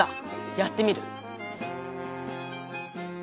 やってみる。